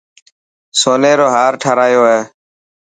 سوني رو هار ٺارايو هي.